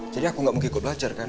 jadi aku gak mau ikut belajar kan